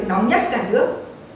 nóng nhất cả nước